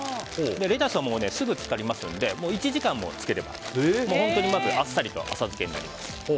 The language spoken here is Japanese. レタスはすぐに漬かりますので１時間も漬ければ、あっさりと浅漬けになります。